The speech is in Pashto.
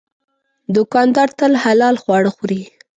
دوکاندار تل حلال خواړه خوري.